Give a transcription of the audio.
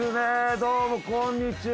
どうもこんにちは。